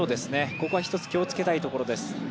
ここは一つ、気をつけたいところです。